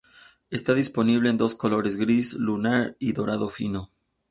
Esta disponible en dos colores, gris lunar y dorado fino.